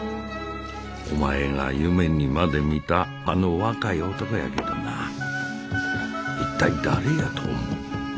お前が夢にまで見たあの若い男やけどな一体誰やと思う？